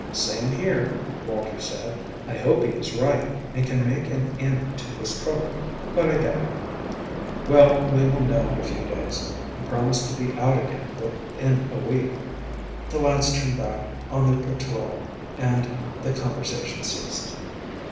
"Same here," Walter said. "I hope he is right and can make an end to this trouble, but I doubt it." "Well, we will know in a few days. He promised to be out again within a week." The lads turned back on their patrol and the conversation ceased.